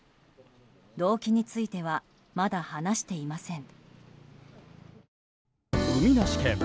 動機についてはまだ話していません。